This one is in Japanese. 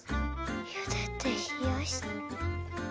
ゆでてひやし。